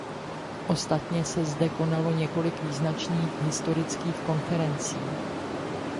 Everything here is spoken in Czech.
Ostatně se zde konalo několik význačných historických konferencí.